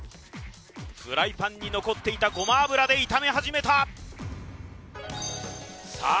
フライパンに残っていたごま油で炒め始めたさあ